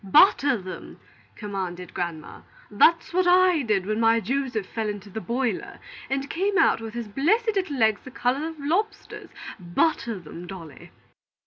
"Butter them!" commanded grandma. "That's what I did when my Joseph fell into the boiler and came out with his blessed little legs the color of lobsters. Butter them, Dolly."